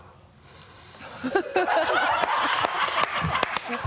ハハハ